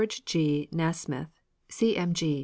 G. NASMITH, C. M. G.